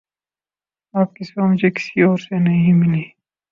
آپ کے سوا مجھے کسی اور سے نہیں ملی